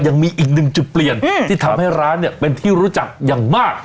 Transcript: ยังมีอีกหนึ่งจุดเปลี่ยนที่ทำให้ร้านเนี่ยเป็นที่รู้จักอย่างมาก